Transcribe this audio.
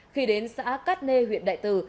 khi đến xã cát nê huyện đại từ